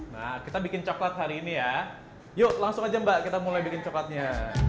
nah kita bikin coklat hari ini ya yuk langsung aja mbak kita mulai bikin coklatnya